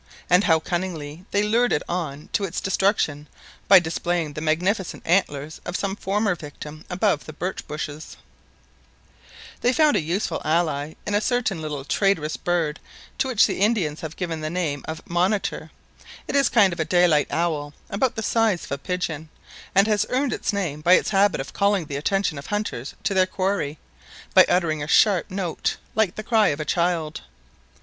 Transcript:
and how cunningly they lured it on to its destruction by displaying the magnificent antlers of some former victim above the birch bushes ! They found a useful alley in a certain little traitorous bird to which the Indians have given the name of "monitor." It is a kind of daylight owl, about the size of a pigeon, and has earned its name by its habit of calling the attention of hunters to their quarry, by uttering a sharp note like the cry of a child.